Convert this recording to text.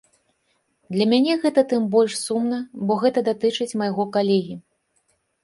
Для мяне гэта тым больш сумна, бо гэта датычыць майго калегі.